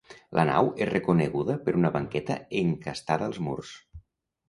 La nau és recorreguda per una banqueta encastada als murs.